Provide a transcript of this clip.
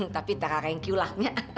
tapi tak ada yang keulah